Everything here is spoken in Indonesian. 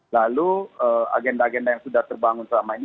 lalu agenda agenda yang sudah terbangun selama ini